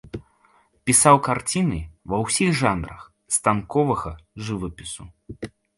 Пісаў карціны ва ўсіх жанрах станковага жывапісу.